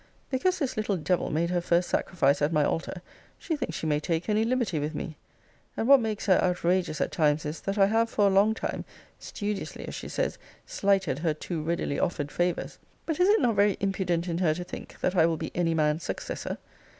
Because this little devil made her first sacrifice at my altar, she thinks she may take any liberty with me: and what makes her outrageous at times is, that I have, for a long time, studiously, as she says, slighted her too readily offered favours: But is it not very impudent in her to think, that I will be any man's successor?